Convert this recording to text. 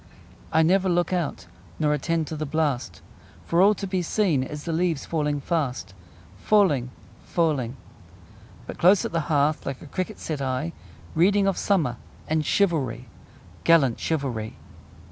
I never look out Nor attend to the blast; For all to be seen Is the leaves falling fast: Falling, falling! But close at the hearth, Like a cricket, sit I, Reading of summer And chivalry Gallant chivalry!